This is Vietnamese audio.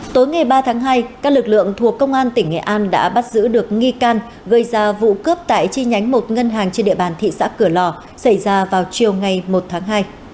tối ngày ba tháng hai các lực lượng thuộc công an tỉnh nghệ an đã bắt giữ được nghi can gây ra vụ cướp tại chi nhánh một ngân hàng trên địa bàn thị xã cửa lò xảy ra vào chiều ngày một tháng hai